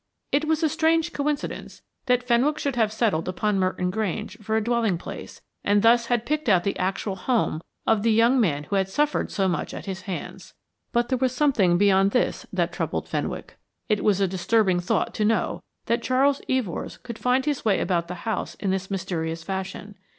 It was a strange coincidence that Fenwick should have settled upon Merton Grange for a dwelling place, and thus had picked out the actual home of the young man who had suffered so much at his hands. But there was something beyond this that troubled Fenwick. It was a disturbing thought to know that Charles Evors could find his way about the house in this mysterious fashion.